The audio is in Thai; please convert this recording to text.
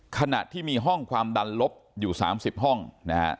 ขณะที่มีห้องความดันลบอยู่๓๐ห้องนะฮะ